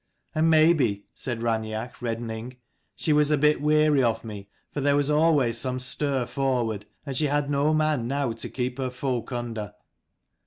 " And maybe," said Rain each, reddening, "she was a bit weary of me, for there was always some stir forward, and she had no man now to keep her folk under.